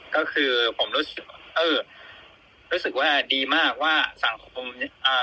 ก็คือผมรู้สึกเออรู้สึกว่าดีมากว่าสั่งของผมอ่า